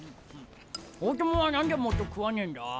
大友は何でもっと食わねえんだ？